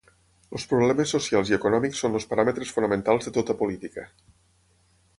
Els problemes socials i econòmics són els paràmetres fonamentals de tota política.